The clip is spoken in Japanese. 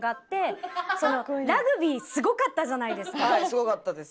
すごかったです。